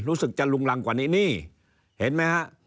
รู้สึกจะลุงรังกว่านี้นี่เห็นไหมฮะ